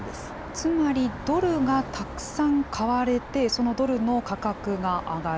つまりドルがたくさん買われて、そのドルの価格が上がる。